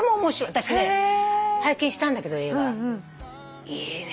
私ね拝見したんだけど映画いいね。